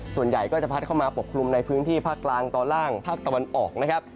ส่วนใหญ่ก็จะพัดเข้ามาปกคลุมในพื้นที่ภาคกลางตอนล่างภาคตะวันออกนะครับ